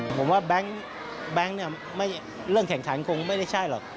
ผมว่าแบงค์เนี่ยเรื่องแข่งขันคงไม่ได้ใช่หรอก